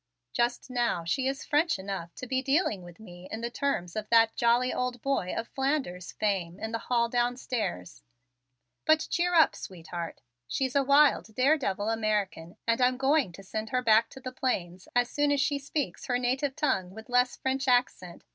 Just now she is French enough to be dealing with me in the terms of that jolly old boy of Flanders fame in the hall downstairs; but cheer up, sweetheart, she's a wild, daredevil American and I'm going to send her back to the plains as soon as she speaks her native tongue with less French accent.